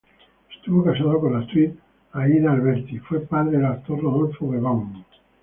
Estuvo casado con la actriz Aída Alberti y fue padre del actor Rodolfo Bebán.